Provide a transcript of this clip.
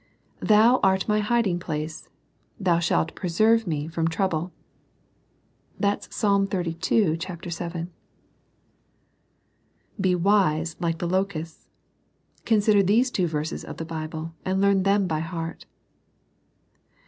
"Thou art my hiding place : Thou shalt preserve me from trouble." (Psa. xxxiL 7.) Be wise, like the locusts. Consider these two verses of the Bible, and learn them by heart.